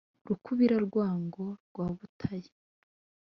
rukubira-rwango rwa butayi